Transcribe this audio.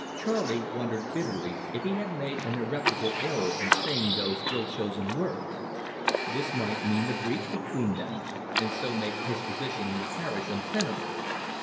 Charley wondered bitterly if he had made an irreparable error in saying those ill chosen words. This might mean a breach between them, and so make his position in the parish untenable.